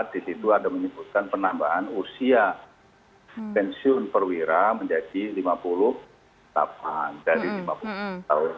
di situ ada menyebutkan penambahan usia pensiun perwira menjadi lima puluh delapan dari lima puluh tahun